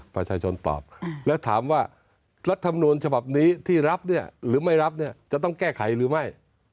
ประชาชนตอบแล้วถามว่ารัฐมนูลฉบับนี้ที่รับเนี่ยหรือไม่รับเนี่ยจะต้องแก้ไขหรือไม่